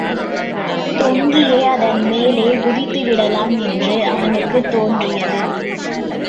தொங்கியே அதன் மேலே குதித்துவிடலாம் என்று அவனுக்குத் தோன்றியது.